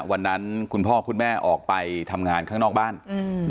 คุณพ่อคุณแม่ออกไปทำงานข้างนอกบ้านอืม